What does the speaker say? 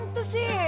gak usah gada gadain